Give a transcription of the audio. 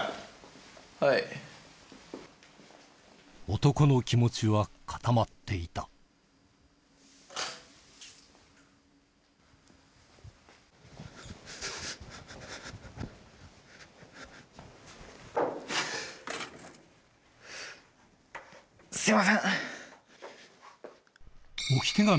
男の気持ちは固まっていたすいません！